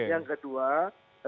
yang kedua rekam jejak digital